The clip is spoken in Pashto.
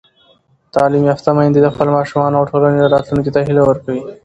تعلیم یافته میندې د خپلو ماشومانو او ټولنې راتلونکي ته هیله ورکوي.